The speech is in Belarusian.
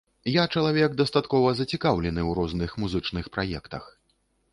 Я чалавек дастаткова зацікаўлены ў розных музычных праектах.